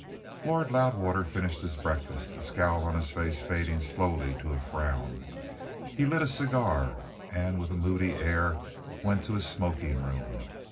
Lord Loudwater finished his breakfast, the scowl on his face fading slowly to a frown. He lit a cigar and with a moody air went to his smoking room.